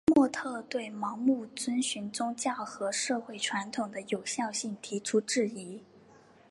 莫特对盲目遵循宗教和社会传统的有效性提出质疑。